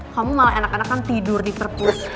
kamu malah enak enakan tidur di perpus